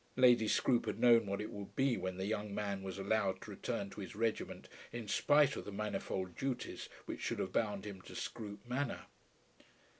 Lady Scroope had known what it would be when the young man was allowed to return to his regiment in spite of the manifold duties which should have bound him to Scroope Manor.